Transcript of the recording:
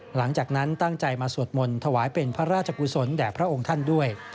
หลังจากนั้นตั้งใจมาสวดมนต์ถวายเป็นพระราชกุศลแด่พระองค์ท่านด้วย